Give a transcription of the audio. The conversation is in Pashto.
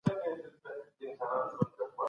د طبیعي منابعو مدیریت باید د ولس د ابادۍ لپاره وي.